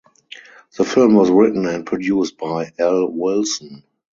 The film was written and produced by Al Wilson.